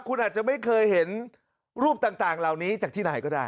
คุณอาจจะไม่เคยเห็นรูปต่างเหล่านี้จากที่ไหนก็ได้